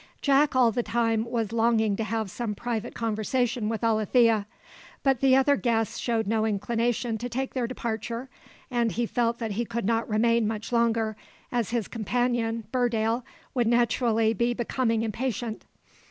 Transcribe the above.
Jack all the time was longing to have some private conversation with Alethea; but the other guests showed no inclination to take their departure; and he felt that he could not remain much longer, as his companion, Burdale, would naturally be becoming impatient.